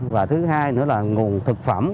và thứ hai nữa là nguồn thực phẩm